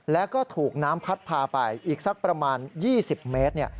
แล้วก็ถูกน้ำพัดพาไปอีกสักประมาณ๒๐เมตร